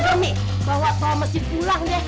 kita juga nek bawa bawa mas jin pulang nek